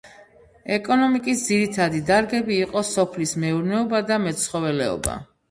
ეკონომიკის ძირითადი დარგები იყო სოფლის მეურნეობა და მეცხოველეობა.